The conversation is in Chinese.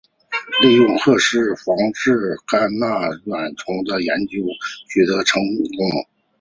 利用赤眼蜂防治甘蔗螟虫的研究取得成功。